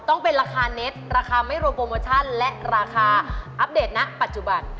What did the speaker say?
ต้องเป็นราคาเน็ตราคาไม่รวมโปรโมชั่นและราคาอัปเดตณปัจจุบัน